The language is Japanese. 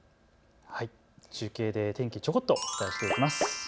中継で天気をちょこっとお伝えしていきます。